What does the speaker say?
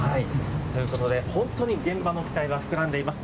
ということで、本当に現場の期待が膨らんでいます。